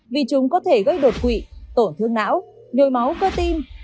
vì chúng có thể gây đột quỵ tổn thương não nhồi máu cơ tim